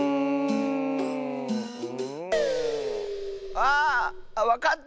あわかった！